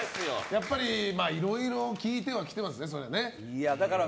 やっぱりいろいろ聞いてはきてますね、そういうのは。